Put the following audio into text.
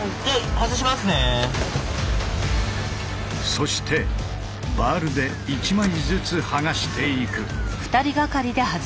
そしてバールで１枚ずつ剥がしていく。